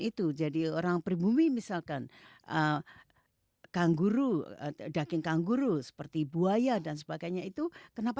itu jadi orang pribumi misalkan kangguru daging kangguru seperti buaya dan sebagainya itu kenapa